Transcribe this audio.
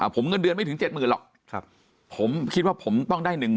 ผมเงินเดือนไม่ถึงเจ็ดหมื่นหรอกผมคิดว่าผมต้องได้๑๐๐